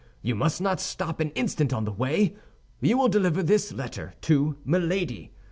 You must not stop an instant on the way. You will deliver this letter to Milady.